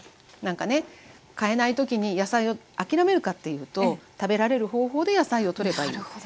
なんかね買えない時に野菜を諦めるかっていうと食べられる方法で野菜をとればいい。